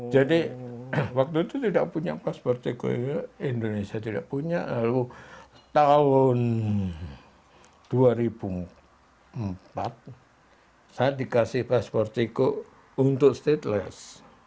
jadi waktu itu tidak punya paspor tiko indonesia lalu tahun dua ribu empat saya dikasih paspor tiko untuk stateless